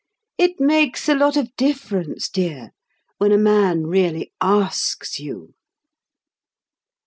It makes a lot of difference, dear, when a man really asks you!"